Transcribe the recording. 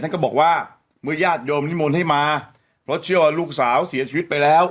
ก็บอกว่าเมื่อญาติโยมนิมนต์ให้มาเพราะเชื่อว่าลูกสาวเสียชีวิตไปแล้ว